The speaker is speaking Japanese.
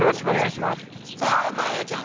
さあ真彩ちゃん